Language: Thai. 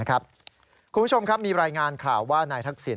คุณผู้ชมครับมีรายงานข่าวว่านายทักษิณ